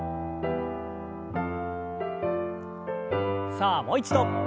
さあもう一度。